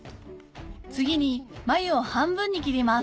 次に繭を半分に切ります